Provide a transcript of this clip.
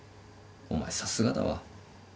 お前さすがだわ。